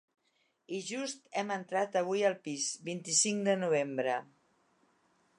I just hem entrat avui al pis, vint-i-cinc de Novembre.